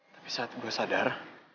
tapi saat gue sadar